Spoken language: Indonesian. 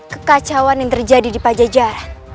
kekacauan yang terjadi di pajajaran